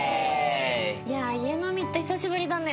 いや家飲みって久しぶりだね。